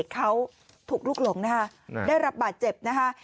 เขาถูกลุกหลงนะคะได้รับบาดเจ็บนะคะ